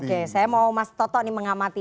oke saya mau mas toto nih mengamati